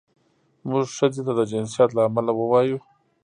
موږ ښځې ته د جنسیت له امله ووایو.